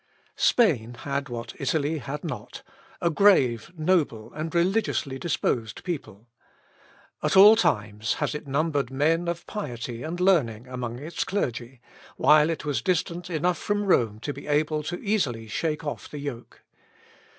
Spain had what Italy had not a grave, noble, and religiously disposed people. At all times has it numbered men of piety and learning among its clergy, while it was distant enough from Rome to be able easily to shake off the yoke.